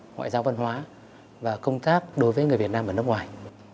ngoại giao văn hóa và công tác đối với người việt nam ở nước ngoài